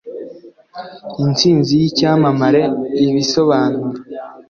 Intsinzi yIcyamamare ibisobanuro